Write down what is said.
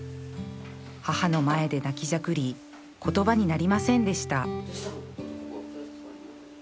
母の前で泣きじゃくり言葉になりませんでした